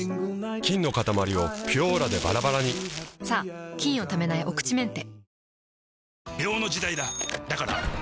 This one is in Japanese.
菌のかたまりを「ピュオーラ」でバラバラにさぁ菌をためないお口メンテ。